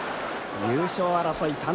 優勝争い